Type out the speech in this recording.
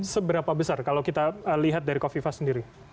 seberapa besar kalau kita lihat dari kofifa sendiri